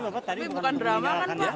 tapi bukan drama kan ya